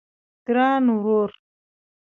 ګران ورور